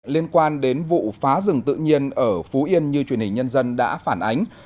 liên quan đến vụ phá rừng tự nhiên ở phú yên như truyền hình nhân dân đã phản ánh